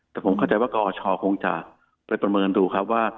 แต่ผมเข้าใจว่ากอชคงจะไปประเมินดูครับว่า